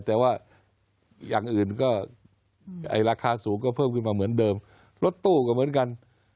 แต่ว่าอย่างอื่นก็ราคาสูงก็เพิ่มขึ้นมาเหมือนเดิมรถตู้ก็เหมือนกัน